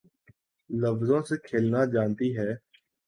لفظوں سے کھیلنا جانتی ہے